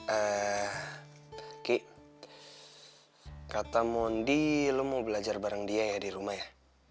eh kik kata mondi lo mau belajar bareng dia ya di rumah ya